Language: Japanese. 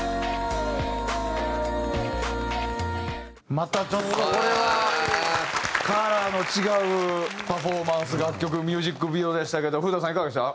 またちょっとこれはカラーの違うパフォーマンス楽曲ミュージックビデオでしたけど古田さんいかがでした？